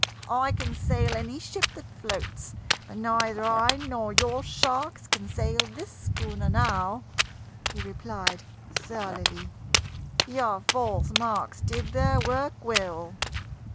"I can sail any ship that floats, but neither I nor your sharks can sail this schooner now," he replied surlily. "Your false marks did their work well."